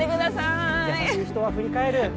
優しい人は振り返る。